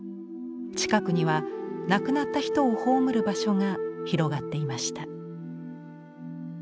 近くには亡くなった人を葬る場所が広がっていました。